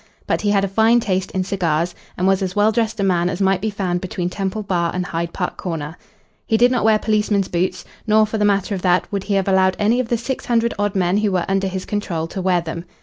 But he had a fine taste in cigars, and was as well dressed a man as might be found between Temple Bar and Hyde Park Corner. He did not wear policemen's boots, nor, for the matter of that, would he have allowed any of the six hundred odd men who were under his control to wear them.